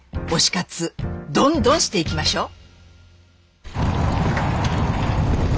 推し活どんどんしていきましょう！